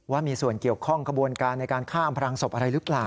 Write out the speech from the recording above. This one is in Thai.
ว่ามีส่วนเกี่ยวข้องขบวนการในการฆ่าอำพลังศพอะไรหรือเปล่า